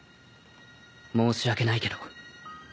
申し訳ないけど。